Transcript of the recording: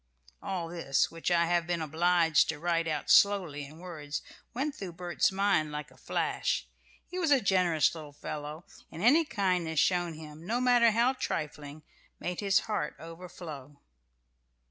All this, which I have been obliged to write out slowly in words, went through Bert's mind like a flash. He was a generous little fellow, and any kindness shown him, no matter how trifling, made his heart overflow.